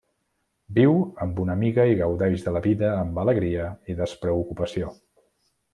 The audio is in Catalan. Viu amb una amiga i gaudeix de la vida amb alegria i despreocupació.